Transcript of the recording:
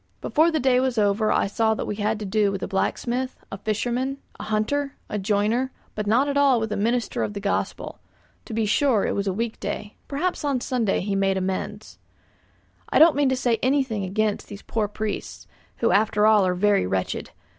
Before the day was over I saw that we had to do with a blacksmith, a fisherman, a hunter, a joiner, but not at all with a minister of the Gospel. To be sure, it was a week day; perhaps on a Sunday he made amends. I don't mean to say anything against these poor priests, who after all are very wretched.